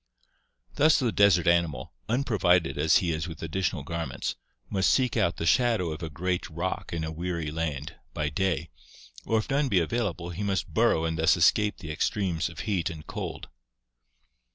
Thus the desert animal, unprovided as he is with additional garments, must seek out "the shadow of a great rock in a weary land " by day or if none be available he must burrow and thus escape the extremes of heat and cold.